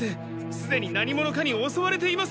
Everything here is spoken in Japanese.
すでに何者かにおそわれています！